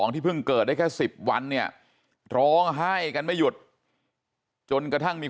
ที่เพิ่งเกิดได้แค่๑๐วันเนี่ยร้องไห้กันไม่หยุดจนกระทั่งมี